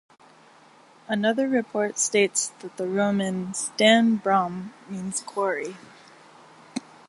Another report states that the Roman 'Stan Brom' means quarry.